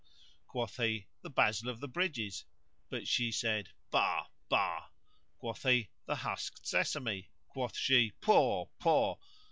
Quoth he, "The basil of the bridges;" but she said, "Bah, bah!" Quoth he, "The husked sesame;" quoth she, "Pooh, pooh!"